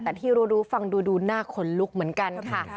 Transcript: แต่ที่รู้ฟังดูหน้าขนลุกเหมือนกันค่ะ